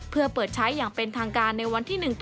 เพื่อเปิดใช้อย่างเป็นทางการในวันที่๑ตุลาคม๒๕๖๐